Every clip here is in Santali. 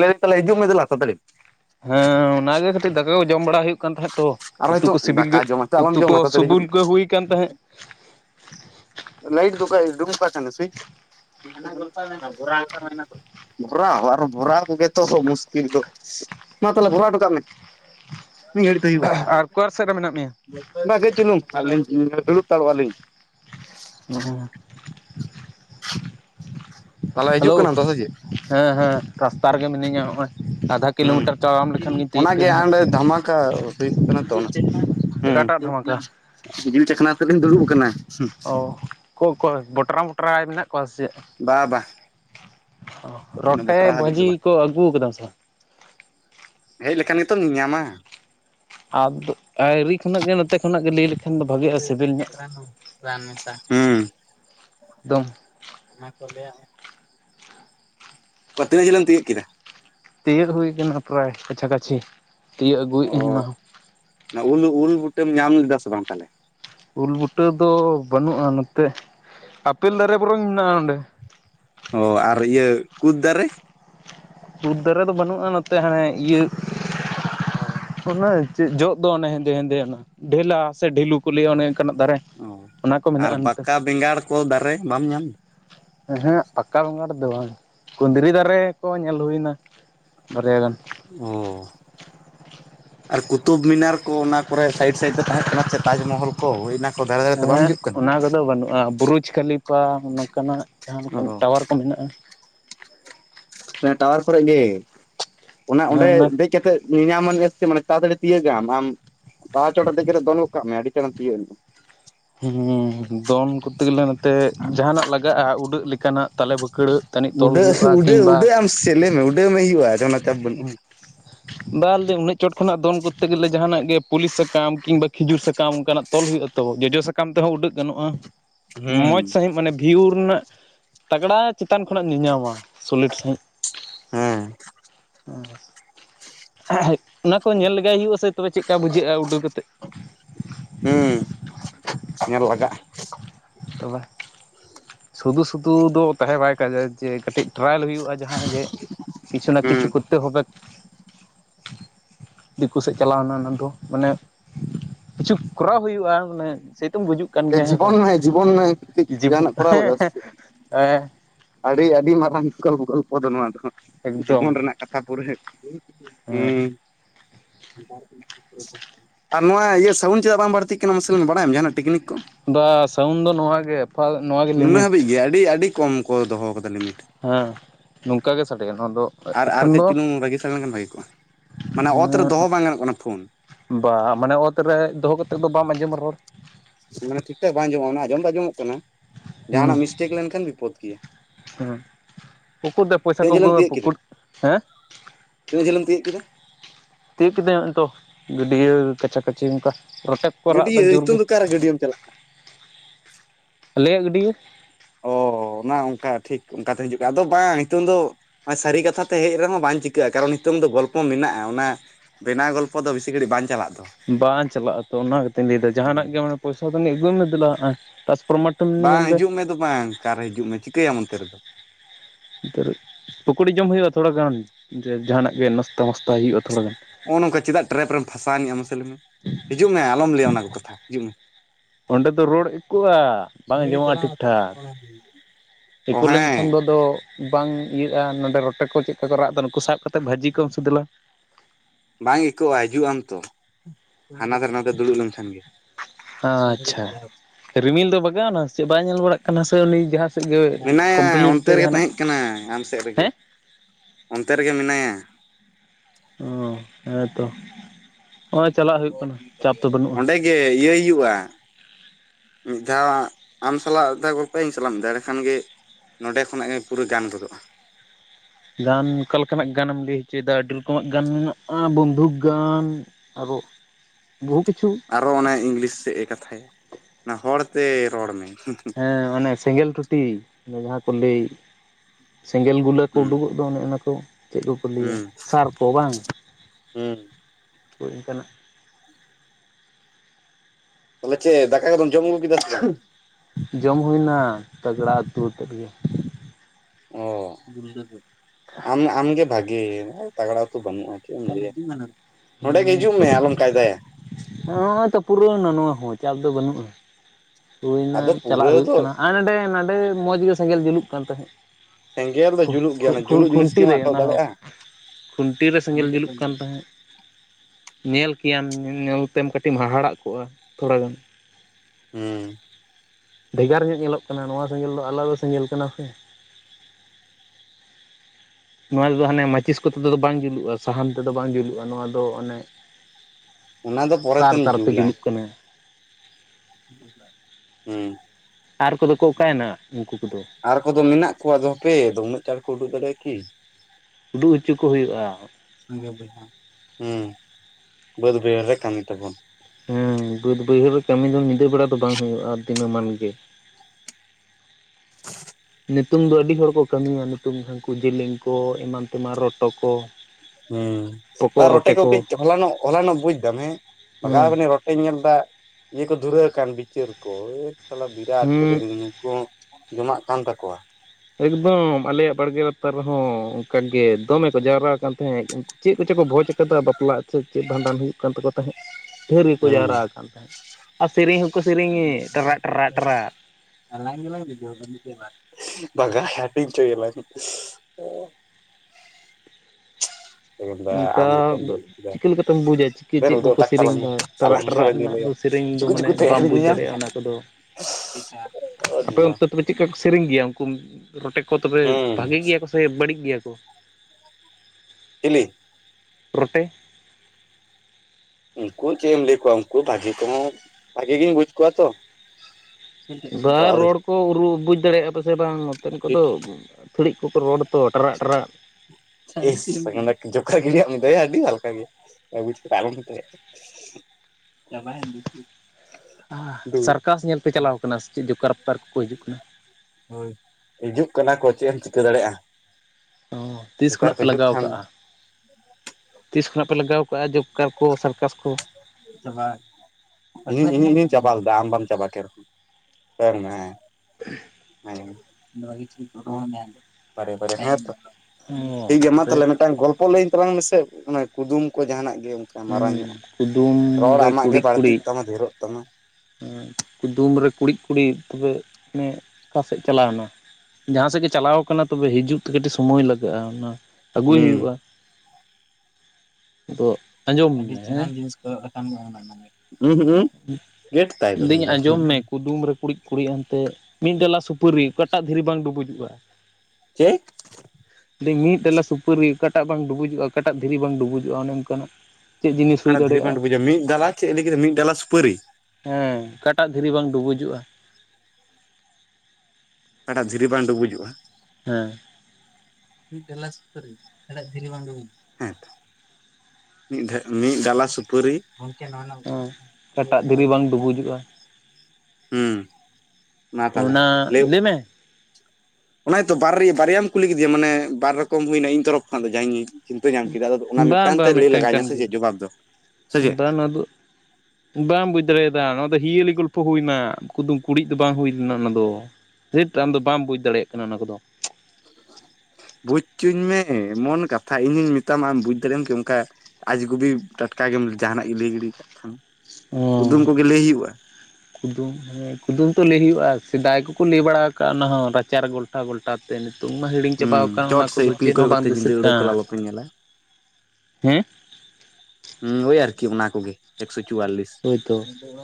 ᱞᱟᱭ ᱫᱟᱹᱧ ᱛᱟᱦᱚᱞᱮ ᱦᱤᱡᱩᱜ ᱢᱮ ᱫᱮᱛᱟ ᱛᱟᱲᱟ ᱛᱟᱲᱤ ᱾ ᱦᱮᱸ ᱚᱱᱟᱜᱮ ᱠᱟᱹᱴᱤᱡ ᱫᱟᱠᱟ ᱠᱚ ᱡᱚᱢ ᱵᱟᱲᱟ ᱦᱩᱭᱩᱜ ᱠᱟᱱ ᱛᱟᱦᱮᱸᱫ ᱛᱚ ᱾ ᱟᱨᱚ ᱩᱛᱩ ᱠᱚ ᱦᱤᱛᱚᱜ ᱥᱤᱵᱤᱞ ᱜᱮ ᱫᱟᱠᱟ ᱡᱚᱢ ᱦᱟᱛᱮ ᱩᱛᱩ ᱟᱞᱚᱢ ᱠᱚ ᱡᱚᱢᱟ ᱛᱟᱲᱟᱛᱟᱲᱤ ᱦᱤᱡᱩᱜ ᱥᱵᱩᱞ ᱢᱮ ᱠᱚ ᱦᱩᱭ ᱠᱟᱱᱟᱱ ᱛᱟᱦᱮᱸᱫ ᱾ [inaudible] [unintelligible] ᱵᱷᱚᱨᱟᱣ ᱟᱨ ᱵᱷᱚᱨᱟᱣ ᱠᱚᱜᱮ ᱛᱚ ᱢᱩᱥᱠᱤᱞ ᱫᱚ, ᱢᱟ ᱛᱟᱦᱚᱞᱮ ᱵᱷᱚᱨᱟᱣ ᱦᱚᱴᱚ ᱠᱟᱜ ᱢᱮ᱾ ᱢᱤᱫ ᱜᱷᱟᱨᱤᱡ ᱛᱮ [unintelligible] ᱟᱨ ᱚᱠᱟ ᱥᱮᱫ ᱨᱮ ᱢᱮᱱᱟᱜ ᱢᱮᱭᱟ᱾ [unintelligible] ᱪᱩᱞᱩᱝ ᱟᱹᱞᱤᱧ ᱫᱩᱲᱩᱵ ᱛᱟᱲᱚᱜᱼᱟᱞᱤᱧ ᱾ ᱛᱟᱦᱚᱞᱮ [unintelligible] ᱦᱤᱡᱩᱜ ᱦᱮᱞᱳ ᱠᱟᱱᱟᱢ ᱛᱚ ᱥᱮ ᱪᱮᱫ ᱦᱮᱸ ᱦᱮᱸ ᱨᱟᱥᱛᱟ ᱨᱮᱜᱮ ᱢᱤᱱᱟᱹᱧᱟ ᱱᱚᱜᱼᱚᱭ ᱾ ᱦᱮᱸ ᱚᱱᱟᱜᱮ ᱠᱮᱫᱟ ᱦᱟᱱᱰᱮ ᱦᱟᱸᱜ ᱫᱷᱟᱢᱟᱠᱟ ᱦᱩᱭᱩᱜ ᱠᱟᱱᱟ [unintelligible] ᱛᱚ ᱦᱩᱸ ᱚᱠᱟᱴᱟᱜ ᱫᱷᱟᱢᱟᱠᱟ ᱡᱤᱞ ᱪᱟᱠᱷᱱᱟ ᱟᱛᱮᱞᱤᱧ ᱫᱩᱲᱩᱵ ᱟᱠᱟᱱᱟ ᱾ ᱚ ᱚᱠᱚᱭ ᱚᱠᱚᱭ ᱜᱚᱴᱨᱟᱭ ᱢᱚᱴᱨᱟᱭ ᱢᱮᱱᱟᱜ ᱠᱚᱣᱟ ᱥᱮ ᱪᱮᱫ? ᱵᱟ ᱵᱟ ᱾ ᱨᱚᱴᱮ ᱫᱚ ᱵᱷᱟᱹᱡᱤ ᱵᱟᱝ ᱠᱚ ᱟᱹᱜᱩ ᱟᱠᱟᱫᱟᱢ ᱥᱮ ᱵᱟᱝ? ᱦᱮᱡ ᱞᱮᱠᱷᱟᱱ ᱜᱮᱛᱚᱢ ᱧᱮᱧᱢᱟ ᱾ ᱟᱫᱚ ᱟᱹᱨᱤ ᱠᱷᱚᱱᱟᱜ ᱜᱮ ᱱᱚᱛᱮ ᱠᱷᱚᱱᱟᱜ ᱜᱮ ᱞᱟᱹᱭ ᱞᱮᱠᱷᱟᱱ ᱫᱚ ᱵᱷᱟᱜᱤᱜᱼᱟ ᱥᱤᱵᱤᱞ ᱧᱚᱜ ᱾ ᱨᱟᱱ ᱢᱮᱥᱟ᱾ ᱦᱩ [unintelligible] ᱚᱱᱟ ᱠᱚ [inaudible] ᱚᱠᱟ ᱛᱤᱱᱟᱹᱜ ᱡᱷᱟᱹᱞ ᱮᱢ ᱛᱤᱭᱳᱜ ᱠᱮᱫᱟ? ᱛᱤᱭᱟᱹᱜ ᱦᱩᱭ ᱟᱠᱟᱱᱟ ᱯᱨᱟᱭ ᱠᱟᱪᱷᱟ ᱠᱟᱪᱷᱤ ᱛᱤᱭᱟᱹᱜ ᱚ ᱟᱹᱜᱩᱭᱮᱫ ᱟᱹᱧ ᱚᱱᱟ ᱦᱚᱸ᱾ ᱚᱱᱟ ᱩᱞ ᱩᱞ ᱵᱩᱴᱟᱹᱢ ᱧᱟᱢ ᱞᱮᱫᱟ ᱥᱮ ᱵᱟᱝ ᱛᱟᱦᱚᱞᱮ? ᱩᱞ ᱵᱩᱴᱟᱹ ᱫᱚ ᱵᱟᱱᱩᱜ-ᱟ ᱱᱚᱛᱮ ᱟᱯᱮᱞ ᱫᱟᱨᱮ ᱵᱚᱨᱚᱝ ᱢᱮᱱᱟᱜᱼᱟ ᱱᱚᱰᱮ ᱾ ᱚ ᱟᱨ ᱤᱭᱟᱹ ᱠᱩᱫ ᱫᱟᱨᱮ? ᱠᱩᱫᱽ ᱫᱟᱨᱮ ᱫᱚ ᱵᱟᱹᱱᱩᱜ-ᱟ ᱱᱚᱛᱮ ᱦᱟᱱᱮ ᱤᱭᱟᱹ [unintelligible] ᱚᱱᱮ ᱪᱮᱫ ᱡᱚᱜ ᱫᱚ ᱚᱱᱮ ᱦᱮᱸᱫᱮ ᱦᱮᱸᱫᱮ ᱚᱱᱟ ᱰᱷᱮᱞᱟ ᱥᱮ ᱰᱷᱤᱞᱩ ᱠᱚ ᱞᱟᱹᱭᱟ ᱚᱱᱮ ᱚᱱᱠᱟᱱᱟᱜ ᱫᱟᱨᱮ᱾ ᱚ ᱚᱱᱟ ᱠᱚ ᱟᱨ ᱢᱮᱱᱟᱜᱼᱟ ᱱᱚᱛᱮ ᱵᱟᱠᱟ ᱵᱮᱸᱜᱟᱲ ᱠᱚ ᱫᱟᱨᱮ ᱵᱟᱢ ᱧᱟᱢ ᱮᱸ ᱦᱮᱸ ᱵᱟᱠᱟ ᱵᱮᱸᱜᱟᱲ ᱫᱚ ᱵᱟᱝ ᱠᱩᱸᱫᱽᱨᱤ ᱫᱟᱨᱮ ᱠᱚ ᱧᱮᱞ ᱦᱩᱭᱮᱱᱟ ᱵᱟᱨᱭᱟ ᱜᱟᱱ᱾ ᱚᱸ ᱾ ᱟᱨ ᱠᱩᱛᱩᱵ ᱢᱤᱱᱟᱨ ᱠᱚ ᱚᱱᱟ ᱠᱚᱨᱮ ᱥᱟᱭᱤᱰ ᱥᱟᱭᱤᱰ ᱛᱮ ᱛᱟᱦᱮᱸ ᱠᱟᱱᱟ ᱥᱮ ᱛᱟᱡᱽ ᱢᱚᱦᱚᱞ ᱠᱚ ᱦᱩᱭ ᱚᱱᱟ ᱠᱚ ᱫᱷᱟᱨᱮ ᱫᱷᱟᱨᱮ ᱛᱮ ᱵᱟᱢ ᱮ-ᱦᱮᱸᱜ ᱦᱤᱡᱩᱜ ᱠᱟᱱᱟ ᱚᱱᱟ ᱠᱚᱫᱚ ᱵᱟᱹᱱᱩᱜ-ᱟ ᱾ ᱵᱩᱨᱩᱡ ᱠᱷᱟᱞᱤᱯᱟ ᱱᱚᱝᱠᱟᱱᱟᱜ ᱡᱟᱦᱟᱸ ᱞᱮᱠᱟᱱᱟᱜ ᱴᱟᱣᱟᱨ ᱠᱚ ᱢᱮᱱᱟᱜ-ᱟ᱾ ᱚᱱᱮ ᱴᱟᱣᱟᱨ ᱠᱚᱨᱮ ᱜᱮ [inaudible] ᱚᱱᱟ ᱚᱸᱰᱮ ᱫᱮᱡ ᱠᱟᱛᱮᱜ ᱧᱮᱧᱟᱢ ᱟᱢ ᱡᱟᱛᱮ ᱢᱟᱱᱮ ᱛᱟᱲᱟ ᱛᱟᱹᱲᱤ ᱛᱤᱭᱟᱹᱜᱟᱢ ᱟᱢ ᱟᱲᱟ ᱪᱚᱴ ᱨᱮ ᱫᱮᱡ ᱠᱟᱛᱮ ᱫᱚᱱ ᱜᱚᱜ ᱠᱟᱜ ᱢᱮ ᱟᱹᱰᱤ ᱪᱟᱲᱮᱢ ᱛᱤᱭᱚᱜᱟ ᱾ ᱦᱮᱸ ᱦᱩᱸᱦᱩᱸ ᱫᱚᱱ ᱠᱚᱛᱛᱮ ᱜᱮᱞᱮ ᱱᱚᱛᱮ ᱡᱟᱦᱟᱸᱱᱟᱜ ᱞᱟᱜᱟᱜ-ᱟ ᱩᱰᱟᱹᱜ ᱞᱮᱠᱟᱱᱟᱜ᱾ ᱛᱟᱦᱞᱮ ᱵᱟᱹᱠᱲᱟᱹᱜ ᱛᱟᱹᱱᱤᱡ ᱛᱚᱞ ᱦᱩᱭᱩᱜ-ᱟ ᱠᱤᱝᱵᱟ ᱪᱮᱫ ᱞᱟᱹᱭ ᱢᱮ ᱩᱰᱟᱹᱣ ᱢᱮ ᱦᱩᱭᱩᱜ-ᱟ ᱚᱱᱟ ᱪᱟᱯ ᱵᱟᱹᱱᱩᱜ-ᱟ᱾ ᱵᱟᱝ ᱞᱟᱹᱭ ᱮᱫᱟᱹᱧ ᱩᱱᱟᱹᱜ ᱪᱚᱴ ᱠᱷᱚᱱᱟᱜ ᱫᱚᱱ ᱠᱚᱛᱛᱮ ᱜᱮᱞᱮ ᱡᱟᱦᱟᱱᱟᱜ ᱜᱮ ᱯᱩᱞᱤ ᱥᱟᱠᱟᱢ ᱠᱤᱢᱵᱟ ᱠᱷᱤᱡᱩᱨ ᱥᱟᱠᱟᱢ ᱚᱱᱠᱟᱱᱟᱜ ᱛᱚᱞ ᱦᱩᱭᱩᱜ-ᱟ ᱛᱚ ᱡᱚᱡᱚ ᱥᱟᱠᱟᱢ ᱛᱮᱦᱚᱸ ᱩᱰᱟᱹᱜ ᱜᱟᱱᱚᱜ-ᱟ ᱦᱩᱸ ᱢᱚᱸᱡᱽ ᱥᱟᱺᱦᱤᱡ ᱢᱟᱱᱮ ᱵᱷᱤᱭᱣᱩᱨ ᱨᱮᱱᱟᱜ ᱛᱟᱜᱽᱲᱟ ᱪᱮᱛᱟᱱ ᱠᱷᱚᱱᱟᱜ ᱮᱢ ᱧᱮᱧᱟᱢᱟ ᱥᱚᱞᱤᱴ ᱥᱟᱺᱦᱤᱡ ᱦᱮᱸ [inaudible] ᱦᱮᱸ ᱾ [inaudible] ᱚᱱᱟ ᱠᱚ ᱧᱮᱞ ᱞᱮᱜᱟᱭ ᱦᱩᱭᱩᱜ-ᱟ ᱥᱮ ᱛᱚᱵᱮ ᱪᱮᱫ ᱞᱮᱠᱟ ᱵᱩᱡᱷᱟᱹᱜ-ᱟ ᱩᱰᱟᱹᱣ ᱠᱟᱛᱮᱫ᱾ [inaudible] ᱦᱩᱸ ᱧᱮᱞ ᱞᱟᱜᱟᱜ-ᱟ᱾ ᱛᱚᱵᱮ ᱥᱩᱫᱩ ᱥᱩᱫᱷᱩ ᱫᱚ ᱛᱟᱦᱮᱸ ᱵᱟᱭ ᱠᱟᱡᱟ ᱡᱮ ᱠᱟᱹᱴᱤᱡ ᱴᱨᱟᱭᱮᱞ ᱦᱩᱭᱩᱜ-ᱟ᱾ ᱡᱟᱦᱟᱸ ᱨᱮᱜᱮ ᱠᱤᱪᱷᱩᱱᱟ ᱠᱤᱪᱷᱩ ᱦᱩᱸ ᱠᱚᱨᱛᱮ ᱦᱚᱵᱮᱠ᱾ [inaudible] ᱫᱤᱠᱩ ᱥᱮᱫ ᱪᱟᱞᱟᱣ ᱮᱱᱟ ᱚᱱᱟ ᱫᱚ ᱢᱟᱱᱮ ᱠᱤᱪᱷᱩ ᱠᱚᱨᱟᱣ ᱦᱳᱭᱳᱜ-ᱟ ᱢᱟᱱᱮ ᱥᱮᱛᱚᱢ ᱜᱩᱡᱩᱜ ᱠᱟᱱ ᱥᱮ ᱜᱮᱭᱟ ᱦᱮᱸ ᱡᱤᱵᱚᱱ ᱦᱮ ᱡᱤᱵᱚᱱ ᱚᱱᱮ ᱠᱟᱹᱡ ᱵᱟᱝ ᱡᱤᱵᱩ ᱡᱟᱦᱟᱱᱟᱜ ᱠᱚᱨᱟᱣ ᱦᱮᱸ ᱞᱟᱜᱟᱜᱼᱟ ᱥᱮ ᱦᱮᱸ ᱮ᱾ ᱟᱹᱰᱤ ᱟᱹᱰᱤ ᱢᱟᱨᱟᱝ [unintelligible] ᱜᱚᱞᱯᱚ ᱫᱚ ᱮᱠᱫᱚᱢ ᱡᱤᱵᱚᱱ ᱨᱮᱱᱟᱜ ᱠᱟᱛᱷᱟ ᱠᱚᱨᱮ ᱦᱮᱸ ᱦᱮᱸ ᱾ [inaudible] ᱟᱨ ᱱᱚᱣᱟ ᱤᱭᱟᱹ ᱥᱟᱣᱩᱱᱰ ᱪᱮᱫᱟᱜ ᱵᱟᱝ ᱵᱟᱹᱲᱛᱤᱜ ᱠᱟᱱᱟ ᱢᱟᱥᱮ ᱞᱟᱹᱭ ᱢᱮ ᱵᱟᱲᱟᱭᱟᱢ ᱡᱟᱦᱟᱱᱟᱜ ᱴᱮᱠᱱᱤᱠ ᱠᱚ᱾ ᱵᱟ ᱥᱟᱣᱩᱱᱰ ᱫᱚ ᱱᱚᱣᱟ ᱜᱮ ᱯᱷᱟ ᱱᱚᱣᱟ ᱜᱮ ᱞᱤᱢᱤᱴ᱾ ᱤ ᱭᱟ ᱟᱹᱰᱤ ᱟᱹᱰᱤ ᱠᱚᱢ ᱠᱚ ᱫᱚᱦᱚ ᱟᱠᱟᱫᱟ ᱞᱤᱢᱤᱴ ᱦᱮᱸ ᱱᱚᱝᱠᱟ ᱜᱮ ᱥᱟᱰᱮᱭᱟ ᱱᱚᱣᱟ ᱫᱚ ᱾ [inaudible] ᱟᱨ ᱟᱨ ᱮᱠᱷᱟᱱ ᱠᱟᱹᱡ ᱫᱚ ᱪᱩᱞᱩᱝ ᱵᱷᱟᱹᱜᱤ ᱥᱟᱨ ᱞᱮᱱᱠᱷᱟᱱ ᱵᱷᱟᱹᱜᱤ ᱠᱚᱜ-ᱟ᱾ ᱢᱟᱱᱮ ᱚᱛ ᱨᱮ ᱫᱚᱦᱚ ᱵᱟᱝ ᱜᱟᱱᱚᱜ ᱠᱟᱱᱟ ᱯᱷᱳᱱ᱾ ᱵᱟ ᱢᱟᱱᱮ ᱚᱛ ᱨᱮ ᱫᱚᱦᱚ ᱠᱟᱛᱮᱫ ᱫᱚ ᱵᱟᱢ ᱟᱸᱡᱚᱢᱟ ᱨᱚᱲ᱾ ᱢᱟᱱᱮ ᱴᱷᱤᱠ ᱴᱷᱟᱠ ᱵᱟᱝ ᱟᱸᱡᱚᱢᱚᱜ ᱠᱟᱱᱟ, ᱟᱸᱡᱚᱢ ᱫᱚ ᱟᱸᱡᱚᱢᱚᱜ ᱠᱟᱱᱟ ᱾ ᱦᱩᱸ ᱡᱟᱦᱟᱱᱟᱜ ᱢᱤᱥᱴᱮᱠ ᱞᱮᱱᱠᱷᱟᱱ ᱵᱤᱯᱚᱫ ᱜᱮᱭᱟ ᱾ ᱦᱮᱸ ᱯᱩᱠᱩᱨ ᱫᱚ ᱯᱚᱭᱥᱟ ᱛᱤᱱᱟᱹᱜ ᱡᱷᱟᱹᱞᱮᱢ [unintelligible] ᱛᱤᱭᱳᱜ ᱠᱮᱫᱟ ᱯᱩᱠᱩᱨ ᱦᱮᱸ ᱛᱤᱱᱟᱹᱜ ᱡᱷᱟᱹᱞᱮᱢ ᱛᱤᱭᱟᱹᱜ ᱠᱮᱫᱟ? ᱛᱤᱭᱳᱜ ᱠᱤᱫᱟᱹᱧ ᱱᱚᱜᱚᱭ ᱛᱚ ᱜᱟᱹᱰᱭᱟᱹ ᱠᱟᱪᱷᱟ ᱠᱟᱪᱷᱤ ᱚᱝᱠᱟ, ᱨᱚᱴᱮ ᱜᱟᱹᱰᱤᱭᱟᱹ ᱦᱤᱛᱩᱝ ᱫᱚ ᱚᱠᱟᱨᱮ ᱜᱟᱹᱰᱤᱭᱟᱹᱢ ᱪᱟᱞᱟᱜ ᱠᱟᱱᱟ? [inaudible] ᱟᱞᱮᱭᱟᱜ ᱜᱟᱹᱰᱭᱟᱹ ᱾ ᱚ ᱚᱱᱟ ᱚᱝᱠᱟ ᱴᱷᱤᱠ ᱚᱝᱠᱟᱛᱮ ᱦᱤᱡᱩᱜ ᱠᱟᱱᱟ ᱾ ᱟᱫᱚ ᱵᱟᱝ ᱱᱤᱛᱚᱝ ᱫᱚ ᱥᱟᱹᱨᱤ ᱠᱟᱛᱷᱟ ᱛᱮ ᱦᱮᱡ ᱨᱮᱦᱚᱸ ᱵᱟᱝ ᱪᱤᱠᱟᱹᱜ-ᱟ ᱠᱟᱨᱚᱱ ᱱᱤᱛᱚᱝ ᱫᱚ ᱜᱚᱞᱯᱚ ᱢᱮᱱᱟᱜ-ᱟ ᱚᱱᱟ ᱵᱮᱱᱟᱣ ᱜᱚᱞᱯᱚ ᱫᱚ ᱵᱮᱥᱤ ᱜᱷᱟᱹᱲᱤᱡ ᱵᱟᱝ ᱪᱟᱞᱟᱜ-ᱟ ᱛᱚ ᱾ ᱵᱟᱝ ᱪᱟᱞᱟᱜ-ᱟ ᱛᱚ ᱚᱱᱟ ᱜᱮᱛᱚᱧ ᱞᱟᱹᱭ ᱫᱟ ᱡᱟᱦᱟᱱᱟᱜ ᱜᱮ ᱢᱟᱱᱮ ᱯᱚᱭᱥᱟ ᱛᱟᱹᱱᱤᱜ ᱟᱹᱜᱩᱭ ᱢᱮ ᱫᱮᱞᱟ ᱦᱮᱸᱜ-ᱮ ᱴᱟᱥᱯᱷᱨᱚᱢᱟᱨ᱾ ᱵᱟᱝ ᱦᱤᱡᱩᱜ ᱢᱮ ᱫᱚ ᱵᱟᱝ ᱚᱠᱟᱨᱮ ᱦᱤᱡᱩᱜ ᱢᱮ ᱪᱤᱠᱟᱹᱭᱟᱢ ᱚᱱᱛᱮ ᱨᱮᱫᱚ᱾ ᱱᱚᱛᱮᱨᱮ ᱯᱳᱠᱳᱲᱤ ᱡᱚᱢ ᱦᱩᱭᱩᱜ-ᱟ ᱛᱷᱚᱲᱟᱜᱟᱱ ᱫᱮ ᱡᱟᱦᱟᱱᱟᱜ ᱜᱮ ᱱᱟᱥᱛᱟ ᱢᱟᱥᱛᱟ ᱦᱩᱭᱩᱜ-ᱟ ᱛᱷᱚᱲᱟᱜᱟᱱ᱾ ᱱᱚᱜ-ᱚ ᱱᱚᱝᱠᱟ ᱪᱮᱫᱟᱜ ᱴᱨᱮᱯ ᱨᱮᱢ ᱯᱷᱟᱥᱟᱣᱤᱧ-ᱟ ᱢᱟᱥᱮ ᱞᱟᱹᱭ ᱢᱮ ᱦᱤᱡᱩᱜ ᱢᱮ ᱟᱞᱚᱢ ᱞᱟᱹᱭᱟ ᱚᱱᱟ ᱠᱚ ᱠᱟᱛᱷᱟ ᱦᱤᱡᱩᱜ ᱢᱮ᱾ ᱚᱸᱰᱮ ᱫᱚ ᱨᱚᱲ ᱮᱠᱳᱜ-ᱟ ᱵᱟᱝ ᱟᱸᱡᱚᱢᱚᱜ-ᱟ ᱴᱷᱤᱠ ᱴᱷᱟᱠ᱾ ᱚ ᱮᱠᱳ ᱞᱮᱝᱠᱷᱟᱱ ᱦᱮᱸ ᱫᱚ ᱟᱫᱚ᱾ ᱵᱟᱝ ᱤᱭᱟᱹᱜ-ᱟ ᱱᱚᱰᱮ ᱨᱚᱴᱮ ᱠᱚ ᱪᱮᱜᱠᱟ ᱠᱚ ᱨᱟᱜ ᱫᱟ ᱱᱩᱠᱩ ᱥᱟᱵ ᱠᱟᱛᱮᱜ ᱵᱷᱟᱡᱤ ᱠᱚᱢ ᱥᱮ ᱫᱮᱞᱟ᱾ ᱵᱟᱝ ᱤᱠᱳᱜ-ᱟ ᱦᱤᱡᱩᱜ ᱟᱢ ᱛᱚ ᱦᱟᱱᱟ ᱫᱷᱟᱨᱮ ᱱᱚᱣᱟ ᱫᱷᱟᱨᱮ ᱫᱩᱲᱩᱵ ᱞᱮᱱᱠᱷᱟᱱ ᱜᱮ᱾ ᱥᱩᱱᱫᱨᱤ ᱟᱪᱪᱷᱟ ᱜᱩᱞᱟᱯ᱾ ᱨᱤᱢᱤᱞ ᱫᱚᱭ ᱵᱟᱜᱟᱣᱱᱟ ᱥᱮ ᱪᱮᱜ? ᱵᱟᱭ ᱧᱮᱞ ᱵᱟᱲᱟᱜ ᱠᱟᱱᱟ ᱥᱮ ᱩᱱᱤ ᱡᱟᱦᱟ ᱥᱮᱜ ᱜᱮ ᱢᱮᱱᱟᱭᱟ ᱠᱚᱢᱯᱞᱤᱴ ᱚᱱᱛᱮ ᱫᱟᱭ ᱨᱮᱜᱮ ᱡᱟᱦᱟᱱᱟᱜ? ᱛᱟᱦᱮᱸ ᱠᱟᱱᱟᱭ ᱟᱢ ᱥᱮᱜ ᱨᱮᱜᱤ ᱦᱮᱸ ᱚᱱᱛᱮ ᱨᱮᱜᱮ ᱢᱮᱱᱟᱭᱟ᱾ ᱚᱻ ᱦᱮᱸᱛᱚ ᱦᱚᱜᱚᱭ ᱪᱟᱞᱟᱜ ᱦᱳᱭᱳᱜ ᱠᱟᱱᱟ ᱪᱟᱯ ᱛᱚ ᱵᱟᱹᱱᱩᱜ-ᱟ᱾ ᱚᱸᱰᱮ ᱜᱮ ᱤᱭᱟᱹᱭ ᱦᱩᱭᱩᱜ-ᱟ᱾ ᱢᱤᱜ ᱫᱷᱟᱣ ᱟᱢ ᱥᱟᱞᱟᱜ ᱢᱤᱫ ᱫᱷᱟᱣᱮ ᱜᱚᱞᱯᱷᱚᱭᱟ ᱤᱧ ᱥᱟᱞᱟᱜ ᱢᱤᱜ ᱫᱷᱟᱣ ᱮᱸᱰᱮ ᱠᱷᱟᱱ ᱜᱮ᱾ ᱱᱚᱰᱮ ᱠᱷᱚᱱᱟᱜ ᱜᱮ ᱯᱩᱨᱟᱹ ᱜᱟᱱ ᱜᱚᱫᱚᱜ-ᱟ᱾ ᱜᱟᱱ ᱚᱠᱟ ᱞᱮᱠᱟᱱᱟᱜ ᱜᱟᱱᱮᱢ ᱞᱟᱹᱭ ᱦᱚᱪᱚᱭᱫᱟ ᱟᱹᱰᱤ ᱨᱚᱠᱚᱢᱟᱜ ᱜᱟᱱ ᱢᱮᱱᱟᱜ-ᱟ ᱵᱚᱱᱫᱷᱩᱠ ᱜᱟᱱ᱾ ᱟᱨᱚ ᱵᱚᱦᱩ ᱠᱤᱪᱷᱩ᱾ ᱟᱨᱚ ᱚᱱᱮ ᱤᱝᱞᱤᱥ ᱥᱮᱜ ᱮ ᱠᱟᱛᱷᱟᱭᱟ ᱚᱱᱟ ᱦᱚᱲᱛᱮ ᱨᱚᱲ ᱢᱮ᱾ ᱮᱸ ᱚᱱᱮ ᱥᱮᱸᱜᱮᱞ ᱴᱩᱴᱤ ᱚᱱᱮ ᱡᱟᱸᱦᱟ ᱠᱚ ᱞᱟᱹᱭ ᱥᱮᱸᱜᱮᱞ ᱜᱩᱞᱟᱹ ᱠᱚ ᱦᱩᱸ ᱩᱰᱩᱠᱚᱜ᱾ ᱫᱚ ᱚᱱᱮ ᱚᱱᱟ ᱠᱩ ᱪᱮᱜ ᱠᱩᱠᱩ ᱞᱟᱹᱭᱟ ᱦᱩᱸ ᱥᱟᱨ ᱠᱚ ᱵᱟᱝ? ᱦᱩᱸ ᱦᱳᱭ ᱚᱝᱠᱟᱱᱟᱜ᱾ ᱛᱟᱞᱦᱮ ᱪᱮᱜ ᱫᱟᱠᱟ ᱠᱚᱫᱚᱢ ᱡᱚᱢ ᱟᱹᱜᱩ ᱠᱮᱫᱟ ᱥᱮ ᱵᱟᱝ᱾ ᱡᱚᱢ ᱦᱩᱭ ᱱᱟ ᱛᱟᱜᱲᱟ ᱩᱛᱩ ᱟᱛᱮᱫ ᱜᱮ᱾ ᱚᱻ ᱟᱢ ᱟᱢᱜᱮ ᱵᱷᱟᱜᱮ ᱱᱚᱜᱚᱭ ᱛᱟᱜᱲᱟ ᱩᱛᱩ ᱵᱟᱱᱩᱜ-ᱟ ᱪᱮᱜ ᱮᱢ ᱞᱟᱹᱭᱟ ᱱᱚᱸᱰᱮ ᱜᱮ ᱦᱤᱡᱩᱜ ᱢᱮ ᱟᱞᱚᱢ ᱠᱟᱭᱫᱟᱭᱟ᱾ ᱦᱚᱸᱜ-ᱚᱭ ᱛᱚ ᱯᱩᱨᱟᱹᱣᱱᱟ ᱱᱚᱣᱟ ᱦᱚᱸ ᱪᱟᱯ ᱫᱚ ᱵᱟᱹᱱᱩᱜ-ᱟ᱾ ᱦᱩᱭᱱᱟ ᱟᱫᱚ ᱪᱟᱞᱟᱜ ᱯᱩᱨᱟᱹ ᱦᱩᱭᱩᱜ ᱫᱚ ᱠᱟᱱᱟ ᱟᱸ ᱱᱟᱸᱰᱮ ᱱᱟᱸᱰᱮ ᱢᱚᱡᱽ ᱜᱮ ᱥᱮᱸᱜᱮᱞ ᱡᱩᱞᱩᱜ ᱠᱟᱱ ᱛᱟᱦᱮᱸᱜ᱾ ᱥᱮᱸᱜᱮᱞ ᱫᱚ ᱡᱩᱞᱩᱜ ᱜᱮᱭᱟ ᱠᱷᱩ ᱚᱱᱟ ᱠᱷᱩ ᱡᱩᱞᱩᱜ ᱡᱤᱱᱤᱥ ᱠᱷᱩᱱᱴᱤ ᱜᱮᱢ ᱨᱮ ᱟᱴᱚᱜ ᱚᱱᱟᱦᱚᱸᱠ᱾ ᱫᱟᱲᱮᱭᱟᱜᱼᱟ ᱠᱷᱩᱱᱴᱤ ᱨᱮ ᱥᱮᱸᱜᱮᱞ ᱡᱩᱞᱩᱜ ᱠᱟᱱ ᱛᱟᱦᱮᱸᱜ᱾ ᱧᱮᱞ ᱠᱮᱭᱟᱢ ᱧᱮᱞ ᱧᱮᱞᱛᱮᱢ ᱠᱟᱴᱤᱢ ᱦᱟᱦᱟᱲᱟᱜ ᱠᱚᱜ-ᱟ ᱛᱷᱚᱲᱟ ᱜᱟᱱ᱾ ᱦᱩᱸ᱾ ᱵᱷᱮᱜᱟᱨ ᱧᱚᱜ ᱧᱮᱞᱚᱜ ᱠᱟᱱᱟ ᱱᱚᱣᱟ ᱥᱮᱸᱜᱮᱞ ᱫᱚ ᱟᱞᱟᱫᱟ ᱥᱮᱸᱜᱮᱞ ᱠᱟᱱᱟ ᱥᱮ᱾ ᱱᱚᱣᱟ ᱨᱮᱫᱚ ᱦᱟᱱᱮ ᱢᱟᱪᱤᱥ ᱠᱚᱛᱮ ᱛᱮᱫᱚ ᱵᱟᱝ ᱡᱩᱞᱩᱜ-ᱟ ᱥᱟᱦᱟᱱ ᱛᱮᱫᱚ ᱵᱟᱝ ᱡᱩᱞᱩᱜ-ᱟ ᱱᱚᱣᱟ ᱫᱚ ᱚᱱᱮ᱾ ᱚᱱᱟ ᱫᱚ ᱛᱟᱨ ᱯᱚᱨᱮᱛᱮᱢ ᱛᱟᱨᱛᱮ ᱡᱩᱞᱟ ᱡᱩᱞᱩᱜ ᱠᱟᱱᱟ᱾ ᱦᱩᱸ᱾ ᱟᱨ ᱠᱚᱫᱚ ᱠᱚ ᱚᱠᱟᱭᱮᱱᱟ ᱩᱱᱠᱩ ᱠᱚᱫᱚ᱾ ᱟᱨ ᱠᱚᱫᱚ ᱢᱮᱱᱟᱜ ᱠᱚᱣᱟ ᱟᱫᱚ ᱦᱟᱯᱮ ᱟᱫᱚ ᱩᱱᱟᱹᱜ ᱪᱟᱬ ᱠᱚ ᱩᱰᱩᱜ ᱫᱟᱲᱮᱜ-ᱟ ᱠᱤ᱾ ᱩᱫᱩᱜ ᱦᱩᱪᱩ ᱠᱩ ᱦᱩᱭᱩᱜ-ᱟ᱾ ᱥᱟᱸᱜᱮ ᱵᱚᱭᱦᱟ ᱦᱩᱸ ᱵᱟᱹᱫᱽ ᱵᱟᱹᱭᱦᱟᱹᱲ ᱨᱮ ᱠᱟᱢᱤ ᱛᱟᱵᱩᱱ᱾ ᱦᱮᱸ ᱵᱟᱹᱫᱽ ᱵᱟᱹᱭᱦᱟᱹᱲ ᱨᱮ ᱠᱟᱢᱤ ᱫᱚ ᱧᱤᱫᱟᱹ ᱵᱮᱲᱟ ᱫᱚ ᱵᱟᱝ ᱦᱳᱭᱳᱜ-ᱟ ᱫᱤᱱᱟᱹᱢᱟᱱ ᱜᱮ᱾ [inaudible] ᱱᱤᱛᱩᱝ ᱫᱚ ᱟᱹᱰᱤ ᱦᱚᱲ ᱠᱚ ᱠᱟᱹᱢᱤᱭᱟ ᱱᱤᱛᱩᱝ ᱦᱟᱹᱝᱠᱩ ᱡᱤᱞᱤᱝ ᱠᱚ ᱮᱢᱟᱱ ᱛᱮᱢᱟᱱ ᱨᱚᱴᱚ ᱠᱚ᱾ ᱦᱩᱸ ᱵᱟ ᱨᱚᱴᱮ ᱠᱚ ᱠᱟᱹᱡ ᱦᱚᱞᱟᱱᱚᱜ ᱦᱚᱞᱟᱱᱚᱜ ᱵᱩᱡᱽ ᱫᱟᱢ ᱦᱮᱸ ᱵᱟᱜᱟᱣ ᱦᱮᱸ ᱠᱟᱹᱱᱟᱹᱧ ᱨ ᱧᱮᱞ ᱫᱟ ᱤᱭᱟᱹ ᱠᱚ ᱫᱷᱩᱨᱟᱹ ᱠᱟᱱ ᱵᱤᱪᱟᱹᱨ ᱠᱚ ᱦᱟᱹᱴ ᱥᱟᱞᱟ ᱵᱤᱨᱟᱴ ᱛᱚ ᱞᱟᱹᱭ ᱦᱮᱸ ᱫᱟᱹᱧ ᱱᱩᱠᱩ ᱦᱚᱸ᱾ ᱡᱚᱢᱟᱜ ᱠᱟᱱ ᱛᱟᱠᱚᱣᱟ᱾ ᱮᱠᱫᱚᱢ ᱟᱞᱮᱭᱟᱜ ᱵᱟᱲᱜᱮ ᱚᱛᱛᱚ ᱨᱮᱦᱚᱸ ᱚᱱᱠᱟᱜ ᱜᱮ ᱫᱚᱢᱮ ᱠᱚ ᱡᱟᱣᱨᱟ ᱟᱠᱟᱱ ᱛᱟᱦᱮᱸᱫ ᱪᱮᱫ ᱠᱚᱪᱚ ᱠᱚ ᱵᱷᱚᱡᱽ ᱠᱟᱫᱟ ᱵᱟᱯᱞᱟ ᱥᱮ ᱪᱮᱫ ᱵᱷᱟᱸᱰᱟᱱ ᱦᱩᱭᱩᱜ ᱠᱟᱱ ᱛᱟᱠᱚ ᱛᱟᱦᱮᱸᱫ᱾ ᱰᱷᱮᱨ ᱜᱮᱠᱚ ᱦᱩᱸ ᱡᱟᱣᱨᱟ ᱟᱠᱟᱱ ᱛᱟᱦᱮᱸᱫ ᱟᱨ ᱥᱮᱨᱮᱧ ᱦᱚᱸᱠᱚ ᱥᱮᱨᱮᱧᱮ ᱴᱨᱟᱼᱟᱜ ᱴᱟᱨᱟᱜ ᱴᱨᱟᱼᱟᱜ ᱟᱞᱟᱝ ᱜᱮᱞᱟᱝ ᱵᱩᱡᱷᱟᱹᱣᱟ ᱛᱮᱦᱮᱧ ᱫᱚ ᱪᱮᱫ ᱵᱟᱨ ᱵᱟᱵᱟ ᱦᱟᱹᱴᱤᱧ ᱪᱚᱭ ᱟᱞᱟᱝ ᱟ ᱢᱮᱱᱫᱟ ᱟᱢ ᱚᱱᱠᱟ ᱜᱮᱛᱚᱢ ᱵᱟᱹᱲᱤᱡ ᱠᱮᱫᱟ ᱪᱤᱠᱟᱹ ᱞᱮᱠᱟᱛᱮᱢ ᱵᱩᱡᱟ ᱪᱤᱠᱟᱹ ᱫᱮᱱ ᱪᱮᱫ ᱠᱚᱠᱚ ᱩᱫᱩᱜᱴᱟᱜᱽ ᱥᱮᱨᱮᱧ ᱛᱟᱞᱟᱝ ᱢᱮ ᱮᱫᱟ ᱴᱟᱨᱟᱜ ᱟᱞᱟᱝ ᱴᱟᱨᱟᱜ ᱜᱮᱞᱟᱝ ᱨᱮᱱᱟᱜ ᱧᱮᱞᱮᱭᱟ᱾ ᱫᱚ ᱥᱮᱨᱮᱧ ᱫᱚ ᱪᱤᱠᱤ ᱢᱟᱱᱮ ᱪᱩᱠᱩᱛᱮ ᱧᱮᱞ ᱵᱟᱢ ᱵᱩᱡᱽ ᱧᱟᱢ ᱫᱟᱲᱮᱭᱟᱜᱼᱟ ᱚᱱᱟ ᱠᱚᱫᱚ ᱟᱯᱮ ᱞᱟᱝᱼᱟᱭ ᱚᱱᱛᱮ [unintelligible] ᱛᱚᱵᱮ ᱪᱮᱫᱠᱟ ᱠᱚ ᱥᱮᱨᱮᱧ ᱜᱮᱭᱟ ᱩᱱᱠᱩ ᱨᱚᱴᱮ ᱠᱚ ᱛᱚᱵᱮ ᱦᱩᱸ ᱵᱷᱟᱜᱮ ᱜᱮᱭᱟ ᱠᱚ ᱥᱮ ᱵᱟᱹᱲᱤᱡ ᱜᱮᱭᱟ ᱠᱚ? ᱪᱤᱞᱤ? ᱴᱨᱚᱴᱮ ᱩᱱᱠᱩ ᱪᱮᱫ ᱮᱢ ᱞᱟᱹᱭ ᱠᱚᱣᱟ ᱩᱱᱠᱩ ᱵᱷᱟᱜᱤ ᱠᱚᱦᱚᱸ ᱵᱷᱟᱜᱤ ᱜᱤᱧ ᱵᱩᱡ ᱠᱚᱣᱟ ᱛᱚ ᱵᱟᱨ ᱟᱹᱣᱨᱤ ᱨᱚᱲ ᱠᱚ ᱩᱨᱩ ᱵᱩᱡᱽ ᱫᱟᱲᱮᱭᱟᱜᱼᱟ ᱯᱟᱥᱮ ᱵᱟᱝ ᱱᱚᱛᱮᱱ ᱠᱚᱫᱚ ᱛᱷᱤᱲᱤᱡ ᱠᱚᱠᱚ ᱨᱚᱲ ᱛᱚ ᱴᱟᱨᱟᱜᱼ ᱴᱟᱨᱟᱜ [unintelligible] ᱡᱚᱠᱷᱟ ᱜᱮᱧ ᱞᱟᱹᱭᱮᱫ ᱢᱮᱫᱚᱭᱟ ᱟᱹᱰᱤ ᱦᱟᱞᱠᱟ ᱜᱮᱭᱟ ᱚ ᱵᱩᱡᱷᱽ ᱠᱮᱫᱟ ᱟᱞᱚᱢ ᱦᱚᱸᱛᱚᱭᱟ ᱪᱟᱵᱟᱭᱮᱱ ᱫᱩᱠᱩ ᱟ ᱥᱟᱨᱠᱟᱥ ᱧᱮᱞ ᱯᱮ ᱪᱟᱞᱟᱣ ᱟᱠᱟᱱᱟ ᱥᱮ ᱪᱮᱫ ᱡᱚᱠᱟᱨ ᱯᱷᱚᱠᱟᱨ ᱠᱚᱠᱚ ᱦᱤᱡᱩᱜ ᱠᱟᱱᱟ ᱦᱳᱭ ᱦᱤᱡᱩᱜ ᱠᱟᱱᱟ ᱠᱚ ᱪᱮᱫ ᱮᱢ ᱪᱤᱠᱟᱹ ᱫᱟᱲᱮᱭᱟᱜᱼᱟ᱾ ᱚᱸ ᱛᱤᱥ ᱡᱚᱠᱟᱨ ᱠᱷᱚᱱᱟᱜ ᱠᱚ ᱯᱮ ᱦᱤᱡᱩᱜ ᱞᱟᱜᱟᱣ ᱠᱷᱟᱱ ᱠᱟᱜᱼᱟ? ᱛᱤᱥ ᱠᱷᱚᱱᱟᱜ ᱯᱮ ᱞᱟᱜᱟᱣ ᱠᱟᱜᱼᱟ ᱡᱚᱵᱠᱟᱲ ᱠᱚ ᱥᱟᱨᱠᱟᱥ ᱠᱚ? [unintelligible] ᱟᱞᱤ ᱟᱹᱞᱤᱧ ᱞᱤᱧ ᱪᱟᱵᱟ ᱞᱮᱫᱟ ᱟᱢ ᱵᱟᱢ ᱪᱟᱵᱟ ᱠᱮ ᱨᱮᱦᱚᱸ᱾ ᱛᱚᱨ ᱢᱮ ᱦᱮᱸ ᱢᱟᱹᱨᱤᱪ ᱤᱧ ᱨᱚᱦᱚ ᱫᱟᱞᱮ ᱨᱚᱜᱟ ᱨᱚᱜᱟ ᱦᱮᱸ ᱛᱚ ᱾ ᱚ ᱴᱷᱤᱠᱜᱮᱭᱟ ᱢᱟ ᱛᱚᱵᱮ ᱛᱟᱦᱞᱮ ᱢᱤᱫᱴᱟᱝ ᱜᱚᱞᱯᱚ ᱞᱟᱹᱭᱟᱹᱧ ᱛᱟᱞᱟᱝ ᱢᱮᱥᱮ ᱚᱱᱟ ᱠᱩᱫᱩᱢ ᱠᱚ ᱡᱟᱦᱟᱱᱟᱜ ᱜᱮ᱾ ᱚᱠᱟ ᱦᱩᱸ ᱢᱟᱨᱟᱝ ᱧᱚᱜᱼᱟ᱾ ᱠᱩᱫᱩᱢ ᱨᱚᱲ ᱨᱮ ᱟᱢᱟᱜ ᱜᱮ ᱠᱩᱲᱤᱫ ᱵᱟᱹᱲᱛᱤᱜ ᱠᱩᱲᱤᱫ ᱛᱟᱢᱟ ᱰᱷᱮᱨᱚᱜ ᱛᱟᱢᱟ᱾ ᱠᱩᱫᱩᱢ ᱨᱮ ᱠᱩᱲᱤᱫ ᱠᱩᱲᱤᱫ ᱛᱚᱵᱮ ᱚᱱᱮ ᱚᱠᱟ ᱥᱮᱫ ᱪᱟᱞᱟᱣ ᱮᱱᱟ? ᱡᱟᱦᱟᱸ ᱥᱮᱫ ᱜᱮ ᱪᱟᱞᱟᱣ ᱠᱟᱱᱟ ᱛᱚᱵᱮ ᱦᱤᱡᱩᱜ ᱛᱮ ᱠᱟᱹᱴᱤᱡ ᱥᱳᱢᱚᱭ ᱞᱟᱜᱟᱜᱼᱟ ᱚᱱᱟ ᱟᱹᱜᱩᱭ ᱦᱩᱸ ᱦᱩᱭᱩᱜᱼᱟ᱾ ᱟᱫᱚ ᱟᱸᱡᱚᱢ ᱟᱹᱰᱤ ᱢᱮ ᱪᱩᱦᱟᱱ ᱦᱮᱸ ᱡᱤᱱᱤᱥ ᱠᱚᱭᱚᱜ ᱞᱮᱠᱷᱟᱱ ᱱᱚᱜᱼᱱᱟ ᱨᱮᱱᱟᱜ ᱢᱮᱫ ᱩᱸ ᱦᱩᱸᱜᱼᱩᱸ ᱜᱮᱴ ᱛᱟᱭ ᱫᱚ ᱱᱩᱭ ᱞᱟᱹᱭᱫᱟᱹᱧ ᱫᱚ ᱟᱸᱡᱚᱢ ᱢᱮ ᱠᱩᱫᱩᱢ ᱨᱮ ᱠᱩᱲᱤᱫ ᱠᱩᱲᱤ ᱚᱱᱛᱮ ᱢᱤᱫ ᱰᱟᱞᱟ ᱥᱩᱯᱟᱹᱨᱤ ᱚᱠᱟᱴᱟᱜ ᱫᱷᱤᱨᱤ ᱵᱟᱝ ᱰᱩᱵᱩᱡᱚᱜᱼᱟ? ᱪᱮᱜ ᱫᱟᱹᱧ ᱢᱤᱫ ᱰᱟᱞᱟ ᱥᱩᱯᱟᱹᱨᱤ ᱚᱴᱟᱜ ᱵᱟᱝ ᱰᱩᱵᱩᱡᱚᱜᱼᱟ ᱚᱴᱟᱜ ᱫᱷᱤᱨᱤ ᱵᱟᱝ ᱰᱩᱵᱩᱡᱚᱜᱼᱟ ᱚᱱᱮ ᱚᱱᱠᱟᱱᱟᱜ ᱪᱮᱫ ᱡᱤᱱᱤᱥ ᱦᱩᱭ ᱚᱠᱟᱴᱟᱜ ᱫᱷᱤᱨᱤ ᱵᱟᱝ ᱫᱟᱲᱮᱭᱟᱜᱼᱟ ᱰᱩᱵᱚᱡᱚᱜ-ᱟ ᱢᱤᱫ ᱰᱟᱞᱟ ᱪᱮᱫ ᱮ ᱞᱟᱹᱭ ᱠᱮᱫᱟ ᱢᱤᱫ ᱰᱟᱞᱟ ᱥᱩᱯᱟᱹᱨᱤ ᱦᱚᱸ ᱚᱠᱟᱴᱟᱜ ᱫᱷᱤᱨᱤ ᱵᱟᱝ ᱰᱩᱵᱩᱡᱚᱜᱼᱟ᱾ ᱚᱠᱟᱴᱟᱜ ᱫᱷᱤᱨᱤ ᱵᱟᱝ ᱰᱩᱵᱩᱡᱚᱜᱼᱟ ᱦᱮᱸ ᱢᱤᱫ ᱰᱟᱞᱟ ᱥᱩᱯᱟᱹᱨᱤ ᱚᱠᱟᱴᱟᱜ ᱫᱷᱤᱨᱤ ᱵᱟᱝ ᱰᱩᱵᱩᱡᱚᱜ ᱦᱮᱸ ᱢᱤᱫ ᱴᱷᱮᱜ ᱢᱤᱫ ᱰᱟᱞᱟ ᱥᱩᱯᱟᱹᱨᱤ ᱜᱚᱝᱠᱮ ᱱᱚᱣᱟ ᱨᱮᱱᱟᱜ ᱦᱮᱸ ᱚᱠᱟᱴᱟᱜ ᱫᱷᱤᱨᱤ ᱵᱟᱝ ᱰᱩᱵᱩᱡᱚᱜ-ᱟ ᱦᱩᱸ ᱢᱟ ᱛᱟᱦᱚᱞᱮ ᱚᱱᱟ ᱞᱟᱹᱭ ᱢᱮ ᱚᱱᱟ ᱜᱮᱛᱚ ᱵᱟᱨ ᱵᱟᱨᱭᱟᱢ ᱠᱩᱞᱤ ᱠᱮᱫᱤᱧᱟ ᱢᱟᱱᱮ ᱵᱟᱨ ᱨᱚᱠᱚᱢ ᱦᱩᱭᱱᱟ ᱤᱧ ᱛᱚᱨᱚᱯ ᱠᱷᱚᱱ ᱫᱚ ᱡᱟᱦᱟᱸᱧ [inaudible] ᱪᱤᱱᱛᱟᱹ ᱧᱟᱢ ᱠᱮᱫᱟ ᱟᱫᱚ ᱚᱱᱟ ᱵᱟᱝ ᱢᱤᱫᱴᱟᱝ ᱛᱮ ᱵᱟᱝ ᱞᱟᱹᱭ ᱞᱟᱜᱟᱣ ᱤᱧᱟ ᱥᱮ ᱡᱚᱵᱟᱵ ᱫᱚ ᱥᱮ ᱪᱮᱫ ᱚᱱᱟ ᱫᱚ ᱵᱟᱢ ᱵᱩᱡᱽ ᱫᱟᱲᱮᱭᱟᱫᱟ ᱱᱚᱣᱟ ᱫᱚ ᱦᱤᱭᱟᱹᱞᱤ ᱜᱚᱞᱯᱷᱚ ᱦᱩᱭᱮᱱᱟ ᱠᱩᱫᱩᱢ ᱠᱩᱲᱤᱫ ᱫᱚ ᱵᱟᱝ ᱦᱩᱭ ᱞᱮᱱᱟ ᱚᱱᱟ ᱫᱚ ᱾ ᱫᱷᱮᱴ ᱟᱢᱫᱚ ᱵᱟᱢ ᱵᱩᱡᱽ ᱫᱟᱲᱮᱭᱟᱜ ᱠᱟᱱᱟ ᱚᱱᱟ ᱠᱚᱫᱚ ᱾ [inaudible] ᱵᱩᱡᱽᱪᱚᱧ ᱢᱮ ᱮᱢᱚᱱ ᱠᱟᱛᱷᱟ ᱤᱧ ᱦᱚᱧ ᱢᱮᱛᱟᱢᱟ ᱟᱢ ᱵᱩᱡᱽ ᱫᱟᱲᱮᱭᱟᱜ ᱟᱢ ᱠᱤ ᱚᱱᱠᱟ ᱟᱡᱜᱩᱵᱤ ᱴᱟᱴᱠᱟ ᱜᱮᱢ ᱡᱟᱦᱟᱱᱟᱜ ᱜᱮ ᱞᱟᱹᱭ ᱜᱤᱰᱤ ᱠᱟᱜ ᱠᱷᱟᱱ ᱾ ᱚᱸ᱾ ᱠᱩᱫᱩᱢ ᱦᱮᱸ ᱠᱩᱫᱩᱢ ᱛᱚ ᱞᱟᱹᱭ ᱦᱩᱭᱩᱜ-ᱟ ᱥᱮᱫᱟᱭ ᱠᱚᱠᱚ ᱞᱟᱹᱭ ᱵᱟᱲᱟ ᱟᱠᱟᱫ-ᱟ ᱚᱱᱟ ᱦᱚᱸ ᱨᱟᱪᱟ ᱨᱮ ᱜᱟᱷᱞᱴᱟ ᱜᱷᱚᱞ ᱴᱟ ᱛᱮ ᱱᱤᱛᱚᱝ ᱢᱟ ᱦᱤᱲᱤᱧ ᱪᱟᱵᱟᱣ ᱦᱩᱸ ᱟᱠᱟᱱ ᱚᱱᱟ ᱪᱚᱴ ᱥᱮ ᱠᱚᱫᱚ ᱤᱯᱤᱞ ᱪᱮᱫ ᱦᱚᱸ ᱠᱚᱭᱚᱜ ᱵᱟᱝ ᱠᱟᱛᱮ ᱫᱤᱥᱟᱹᱜ ᱧᱤᱫᱟᱹ ᱟᱹᱲᱟᱹ ᱠᱚ ᱠᱟᱱ ᱞᱟᱞᱚᱯᱮ ᱧᱮᱞᱟ ᱾ [inaudible] ᱦᱮᱸ? ᱦᱮᱸ ᱳᱭ ᱟᱨᱠᱤ ᱚᱱᱟ ᱠᱚᱜᱮ ᱾ ᱮᱠᱥᱚ ᱪᱩᱣᱟᱞ ᱦᱳᱭ ᱛᱳ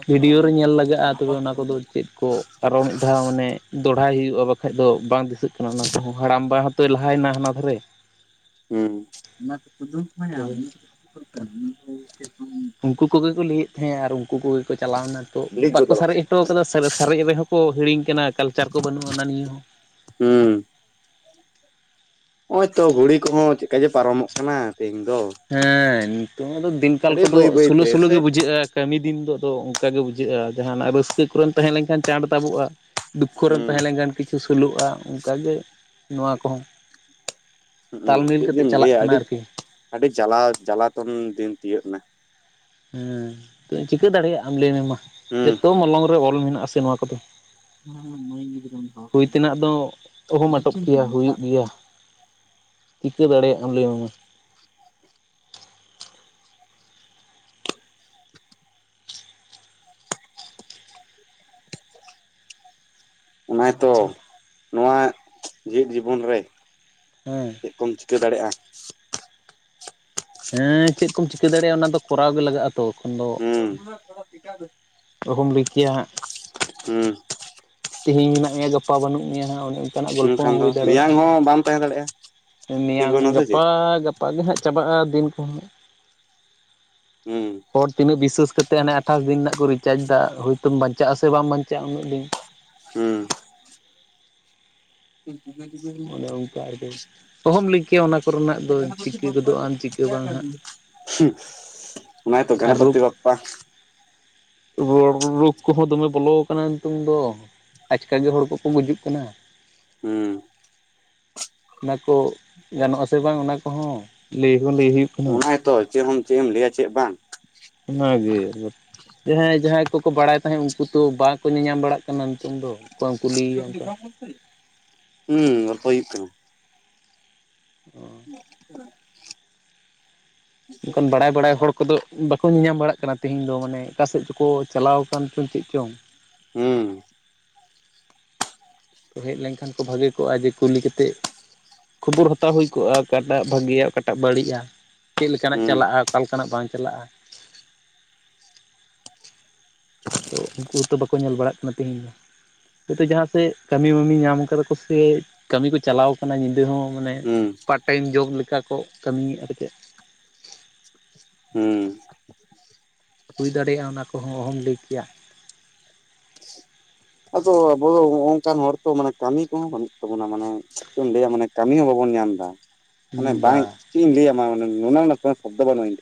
ᱵᱷᱤᱰᱤᱭᱳ ᱨᱮ ᱧᱮᱞ ᱞᱟᱜᱟᱜ-ᱟ ᱛᱚᱵᱮ ᱚᱱᱟ ᱠᱚᱫᱚ ᱪᱮᱫ ᱠᱚ ᱟᱨᱦᱚᱸ ᱢᱤᱫ ᱫᱷᱟᱣ ᱢᱟᱱᱮ ᱫᱚᱲᱦᱟᱭ ᱦᱩᱭᱩᱜ-ᱟ ᱵᱟᱠᱷᱟᱡ ᱫᱚ ᱵᱟᱝ ᱫᱤᱥᱟᱹᱜ ᱠᱟᱱᱟ ᱚᱱᱟ ᱠᱚᱦᱚᱸ ᱦᱟᱲᱟᱢᱵᱟ ᱦᱚᱸ ᱛᱚᱭ ᱞᱟᱦᱟᱭᱮᱱᱟ ᱦᱟᱱᱟ ᱫᱷᱟᱨᱮ ᱾ ᱦᱩᱸ ᱚᱱᱟ ᱠᱩᱫᱩᱢ ᱠᱚ ᱧᱟᱢ ᱛᱚᱵᱮ [unintelligible] ᱩᱱᱠᱩ ᱠᱚᱜᱮ ᱠᱚ ᱞᱟᱹᱭᱮᱫ ᱛᱟᱦᱮᱸᱜ ᱟᱨ ᱩᱱᱠᱩ ᱠᱚᱜᱮ ᱠᱚ ᱪᱟᱞᱟᱣ ᱮᱱᱟ ᱛᱚ ᱞᱤᱠ ᱵᱟᱠᱚ ᱜᱚᱫᱚᱜ ᱵᱟᱠᱷᱟᱡ ᱥᱟᱨᱮᱡ ᱦᱚᱴᱚ ᱟᱠᱟᱫᱟ ᱥᱟᱨᱮᱡ ᱨᱮᱦᱚ ᱠᱚ ᱦᱤᱲᱤᱧ ᱠᱟᱱᱟ ᱠᱟᱞᱪᱟᱨ ᱠᱚ ᱵᱟᱹᱱᱩᱜ-ᱟ ᱚᱱᱟ ᱱᱤᱭᱟᱹ ᱦᱚᱸ ᱾ ᱦᱩᱸ ᱾ ᱦᱚᱜ-ᱚᱭ ᱛᱚ ᱜᱷᱩᱲᱤ ᱠᱚᱦᱚᱸ ᱪᱮᱫᱠᱟ ᱡᱮ ᱯᱟᱨᱚᱢᱚᱜ ᱠᱟᱱᱟ ᱛᱮᱦᱮᱧ ᱫᱚ ᱾ ᱦᱮᱸ ᱱᱤᱛᱚᱝ ᱫᱚ ᱫᱤᱱᱠᱟᱞ ᱠᱚᱫᱚ ᱵᱟᱹᱭ ᱥᱳᱞᱳ ᱵᱟᱹᱭᱛᱮ ᱥᱳᱞᱳ ᱥᱮ ᱜᱮ ᱵᱩᱡᱷᱟᱹᱜ-ᱟ ᱾ ᱠᱟᱹᱢᱤ ᱫᱤᱱ ᱫᱚ ᱦᱤᱛᱚᱜ ᱚᱱᱠᱟᱜᱮ ᱵᱩᱡᱷᱟᱹᱜ-ᱟ ᱡᱟᱦᱟᱱᱟᱜ ᱨᱟᱹᱥᱠᱟᱹ ᱠᱚᱨᱮᱢ ᱛᱟᱦᱮᱸ ᱞᱮᱱᱠᱷᱟᱱ ᱪᱟᱬ ᱛᱟᱵᱚᱜ-ᱟ ᱾ ᱫᱩᱠᱠᱷᱚ ᱨᱮᱢ ᱦᱩᱸ ᱛᱟᱦᱮᱸ ᱞᱮᱱᱠᱷᱟᱱ ᱠᱤᱪᱷᱩ ᱥᱳᱞᱳᱜ-ᱟ ᱚᱱᱠᱟᱜᱮ ᱱᱚᱣᱟ ᱠᱚᱦᱚᱸ ᱾ [inaudible] ᱦᱩᱸ ᱪᱮᱫ ᱡᱮᱢ ᱞᱟᱹᱭᱟ ᱟᱹᱰᱤ [inaudible] ᱟᱹᱰᱤ ᱡᱟᱞᱟ ᱡᱟᱞᱟᱛᱚᱱ ᱫᱤᱱ ᱛᱤᱭᱟᱹᱜ ᱮᱱᱟ ᱾ ᱦᱮᱸ ᱱᱤᱛᱚᱜ ᱪᱤᱠᱟᱹ ᱫᱟᱲᱮᱭᱟᱜ ᱟᱢ ᱞᱟᱹᱭ ᱢᱮ ᱢᱟ ᱦᱩᱸ ᱡᱚᱛᱚ ᱢᱚᱞᱚᱝ ᱨᱮ ᱚᱞ ᱢᱮᱱᱟᱜ ᱟᱥᱮ ᱱᱚᱣᱟ ᱠᱚᱫᱚ ᱾ ᱦᱩᱸ [unintelligible] ᱧᱮᱞ ᱛᱮᱱᱟᱜ ᱫᱚ ᱚᱦᱚᱢ ᱟᱴᱚᱠ ᱦᱚᱪᱚᱧ ᱠᱮᱭᱟ ᱢᱮ ᱦᱩᱭᱩᱜ ᱫᱟᱜ ᱜᱮᱭᱟ ᱪᱤᱠᱟᱹ ᱫᱟᱲᱮᱭᱟᱜ-ᱟᱢ ᱞᱟᱹᱭ ᱢᱮ ᱢᱟ ᱾ ᱚᱱᱟ ᱜᱮᱛᱚ ᱟᱪᱪᱷᱟ [inaudible] ᱱᱚᱣᱟ ᱡᱮᱣᱮᱫ ᱡᱤᱵᱚᱱ ᱨᱮ ᱦᱮᱸ ᱾ ᱪᱮᱫ ᱠᱚᱢ ᱪᱤᱠᱟᱹ ᱫᱟᱲᱮᱭᱟᱜ-ᱟ ᱾ ᱦᱮᱸ ᱪᱮᱫ ᱠᱚᱢ ᱪᱤᱠᱟᱹ ᱫᱟᱲᱮᱭᱟᱜ-ᱟ ᱚᱱᱟ ᱫᱚ ᱠᱚᱨᱟᱣ ᱜᱮ ᱞᱟᱜᱟᱜ-ᱟ ᱛᱚ ᱮᱠᱷᱚᱱ ᱫᱚ ᱦᱩᱸ ᱚᱦᱚᱢ ᱞᱟᱹᱭ ᱠᱮᱭᱟ ᱦᱟᱸᱜ ᱾ ᱦᱩᱸ ᱾ ᱛᱮᱦᱮᱧ ᱢᱮᱱᱟᱜ ᱢᱮᱭᱟ ᱜᱟᱯᱟ ᱵᱟᱹᱱᱩᱜ ᱢᱮᱭᱟ ᱦᱟᱸᱜ ᱚᱱᱮ ᱚᱱᱠᱟᱱᱟᱜ ᱜᱚᱞᱯᱷᱚ ᱢᱮᱱᱠᱷᱟᱱ ᱦᱚᱸ ᱫᱚ ᱦᱩᱭ ᱫᱟ ᱢᱮᱭᱟᱝ ᱦᱚᱸ ᱵᱟᱢ ᱛᱟᱦᱮᱸ ᱫᱟᱲᱮᱭᱟᱜ-ᱟ ᱾ ᱢᱮᱭᱟᱝ ᱜᱟᱯᱟ ᱜᱟᱯᱟ ᱜᱮ ᱦᱟᱸᱜ ᱪᱟᱵᱟᱜ-ᱟ ᱫᱤᱱ ᱠᱚᱦᱚᱸ ᱾ [inaudible] ᱦᱮᱸ ᱾ ᱦᱚᱲ ᱛᱤᱱᱟᱹᱜ ᱵᱤᱥᱥᱟᱹᱥ ᱠᱟᱛᱮ ᱦᱟᱱᱮ ᱟᱴᱷᱟᱥ ᱫᱤᱱ ᱨᱮᱱᱟᱜ ᱠᱚ ᱨᱤᱪᱟᱨᱡᱽ ᱮᱫᱟ ᱦᱳᱭ ᱛᱳ ᱵᱟᱧᱪᱟᱜ ᱟᱢ ᱥᱮ ᱵᱟᱢ ᱵᱟᱧᱪᱟᱜ-ᱟ ᱩᱱᱟᱹᱜ ᱫᱤᱱ ᱾ ᱦᱩᱸ ᱾ [inaudible] [unintelligible] ᱚᱱᱮ ᱚᱱᱠᱟ ᱟᱨᱠᱤ ᱚᱦᱚᱢ ᱞᱟᱹᱭ ᱠᱮᱭᱟ ᱚᱱᱟ ᱠᱚᱨᱮᱱᱟᱜ ᱫᱚ ᱪᱤᱠᱟᱹ ᱜᱚᱫᱚᱜ ᱟᱢ ᱪᱤᱠᱟᱹ ᱵᱟᱝ ᱦᱟᱸᱜ ᱾ ᱦᱩᱸ [inaudible] ᱚᱱᱟ ᱜᱮ ᱛᱚ ᱟᱨ ᱨᱳᱜᱽ ᱜᱚᱱᱚᱯᱚᱛᱤ ᱵᱟᱯᱯᱟ ᱨᱳᱜᱽ ᱠᱚᱦᱚᱸ ᱫᱚᱢᱮ ᱵᱚᱞᱚ ᱟᱠᱟᱱᱟ ᱱᱤᱛᱚᱝ ᱫᱚ ᱾ ᱟᱪᱠᱠᱟ ᱜᱮ ᱦᱚᱲ ᱠᱚᱠᱚ ᱜᱩᱡᱩᱜ ᱠᱟᱱᱟ ᱾ ᱦᱮᱸ ᱾ [inaudible] ᱚᱱᱟ ᱠᱚ ᱜᱟᱱᱚᱜ ᱟᱥᱮ ᱵᱟᱝ ᱚᱱᱟ ᱠᱚᱦᱚᱸ ᱞᱟᱹᱭ ᱦᱚ ᱞᱟᱹᱭ ᱦᱩᱭᱩᱜ ᱠᱟᱱᱟ ᱾ ᱦᱮᱸᱛᱚ ᱡᱮᱢᱚᱱ ᱪᱮᱫ ᱮᱢ ᱞᱟᱹᱭᱟ ᱪᱮᱫ ᱵᱟᱝ᱾ ᱚᱱᱟᱜᱮ ᱡᱟᱦᱟᱸᱭ ᱡᱟᱦᱟᱸᱭ ᱠᱚᱠᱚ ᱵᱟᱲᱟᱭ ᱛᱟᱦᱮᱸᱫ ᱩᱱᱠᱩ ᱛᱚ ᱵᱟᱠᱚ ᱧᱮᱧᱟᱢ ᱵᱟᱲᱟᱜ ᱠᱟᱱᱟ᱾ ᱠᱟᱱᱟ ᱱᱤᱛᱚᱝ ᱫᱚ ᱚᱠᱚᱭᱮᱢ ᱠᱩᱞᱤᱹᱭᱮᱭᱟ ᱚᱱᱠᱟᱹ ᱦᱩᱸ ᱜᱚᱞᱯᱚ ᱦᱩᱭᱩᱹᱜ ᱠᱟᱱᱟ᱾ ᱚᱻ [inaudible] ᱚᱱᱠᱟᱱ ᱵᱟᱲᱟᱹᱭ ᱵᱟᱲᱟᱹᱭ ᱦᱚᱲ ᱠᱚᱫᱚᱹ ᱵᱟᱠᱚ ᱧᱮᱧᱟᱢ ᱵᱟᱲᱟᱹᱜ ᱠᱟᱱᱟ ᱛᱮᱦᱮᱧ ᱫᱚ ᱢᱟᱱᱮ ᱚᱠᱟᱥᱮᱫ ᱪᱚᱠᱚ ᱪᱟᱞᱟᱹᱣ ᱠᱟᱱ ᱪᱚᱝ ᱪᱮᱫ ᱪᱚᱝ᱾ ᱦᱩᱸ᱾ ᱦᱮᱡ ᱞᱮᱱᱹᱠᱷᱟᱱ ᱠᱚ ᱵᱷᱟᱹᱜᱮ ᱠᱚᱜᱼᱟ ᱡᱮ ᱠᱩᱞᱤ ᱠᱟᱛᱮᱫ ᱠᱷᱚᱵᱚᱨ ᱦᱟᱛᱟᱹᱣ ᱦᱩᱭ ᱠᱚᱜᱼᱟ ᱚᱠᱟᱴᱟᱜ ᱵᱷᱟᱹᱜᱮᱭᱟ ᱚᱠᱟᱴᱟᱜ ᱵᱟᱹᱲᱤᱡᱼᱟ᱾ ᱪᱮᱫ ᱞᱮᱠᱟᱱᱟᱜ ᱦᱩᱸ ᱪᱟᱞᱟᱜᱼᱟ ᱚᱠᱟ ᱞᱮᱠᱟᱱᱟᱜ ᱵᱟᱝ ᱪᱟᱞᱟᱜᱼᱟ᱾ ᱛᱚ ᱩᱱᱠᱩ ᱦᱚᱛᱚ ᱵᱟᱠᱚ ᱧᱮᱞ ᱵᱟᱲᱟᱹᱜ ᱠᱟᱱᱟ ᱛᱮᱦᱤᱧ ᱫᱚ᱾ ᱦᱳᱭᱛᱳ ᱡᱟᱦᱟᱸ ᱥᱮᱫ ᱠᱟᱹᱢᱤ ᱢᱟᱢᱤ ᱧᱟᱢ ᱠᱟᱫᱟ ᱠᱚ ᱥᱮ ᱠᱟᱹᱢᱤ ᱠᱚ ᱪᱟᱞᱟᱣ ᱠᱟᱱᱟ ᱧᱤᱫᱟᱹ ᱦᱚᱸ ᱢᱟᱱᱮ ᱦᱩᱸ ᱯᱟᱴ ᱴᱟᱭᱤᱢ ᱡᱚᱵ ᱞᱮᱠᱟ ᱠᱚ ᱠᱟᱹᱢᱤᱭᱮᱫ-ᱟ ᱥᱮᱪᱮᱫ᱾ ᱦᱮᱸ᱾ ᱦᱩᱭ ᱫᱟᱲᱮᱭᱟᱜᱼᱟ ᱚᱱᱟ ᱠᱚᱦᱚᱸ ᱚᱦᱚᱢ ᱞᱟᱹᱭ ᱠᱮᱭᱟ᱾ [inaudible] ᱟᱫᱚ ᱟᱵᱚ ᱫᱚ ᱱᱚᱜ ᱚᱱᱠᱟᱱ ᱦᱚᱲ ᱛᱚ ᱢᱟᱱᱮ ᱠᱟᱹᱢᱤ ᱠᱚᱦᱚᱸ ᱵᱟᱱᱩᱜ ᱛᱟᱵᱚᱱᱟ ᱢᱟᱱᱮ ᱪᱮᱫ ᱮᱢ ᱞᱟᱹᱭᱟ ᱢᱟᱱᱮ ᱠᱟᱹᱢᱤ ᱦᱚᱸ ᱵᱟᱵᱚᱱ ᱧᱟᱢ ᱮᱫᱟ᱾ ᱢᱟᱱᱮ ᱵᱟᱝ ᱠᱤᱝᱵᱟ ᱪᱮᱫ ᱤᱧ ᱞᱟᱹᱭᱟᱢᱟ ᱢᱟᱱᱮ ᱱᱩᱱᱟ ᱨᱮᱱᱟᱹᱜ ᱠᱳᱱᱳ ᱥᱚᱵᱽᱫᱚ ᱵᱟᱹᱱᱩᱜ-ᱟ ᱤᱧ ᱴᱷᱮᱜ᱾